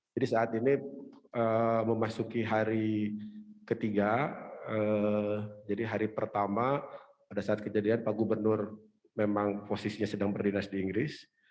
saat ini memasuki hari ketiga jadi hari pertama pada saat kejadian pak gubernur memang posisinya sedang berdinas di inggris